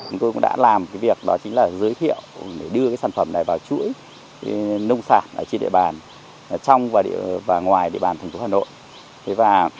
chúng tôi đã làm việc giới thiệu để đưa sản phẩm này vào chuỗi nông sản trên địa bàn trong và ngoài địa bàn thành phố hà nội